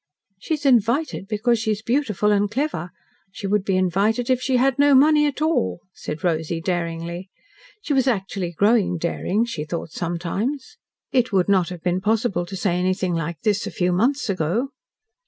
"She is invited because she is beautiful and clever. She would be invited if she had no money at all," said Rosy daringly. She was actually growing daring, she thought sometimes. It would not have been possible to say anything like this a few months ago.